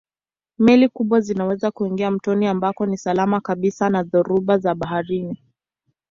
Meli kubwa zinaweza kuingia mtoni ambako ni salama kabisa na dhoruba za baharini.